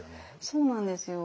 そうなんですよ。